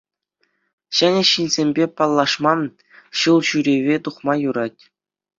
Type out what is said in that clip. Ҫӗнӗ ҫынсемпе паллашма, ҫул ҫӳреве тухма юрать.